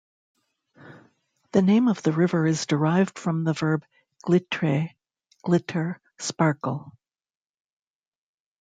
The name of the river is derived from the verb "glitre" 'glitter, sparkle'.